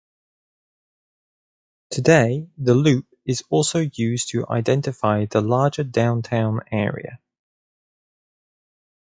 Today, the Loop is also used to identify the larger downtown area.